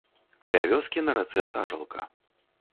Каля вёскі на рацэ сажалка.